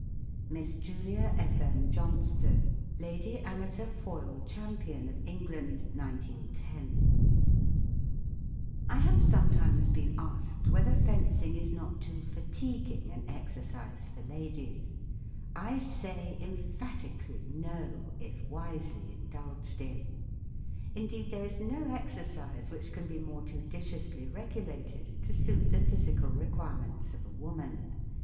MISS JULIA F* M. JOHNSTONE, Lady Amateur Foil Champion of England, 1910. I have sometimes been asked whether fencing is not too fatiguing an exercise for ladies. I say emphatically fi No/ p if wisely indulged in. Indeed there is no exercise which can be more judiciously regulated to suit the physical re¬ quirements of a woman.